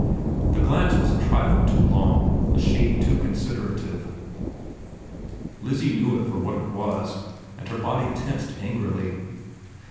The glance was a trifle too long, a shade too considerative. Lizzie knew it for what it was, and her body tensed angrily.